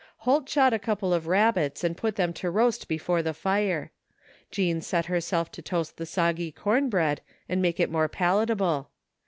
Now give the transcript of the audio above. Holt shot a couple of rabbits and put them to roast before the fire. Jean set herself to toast the soggy com bread and make it more palatable.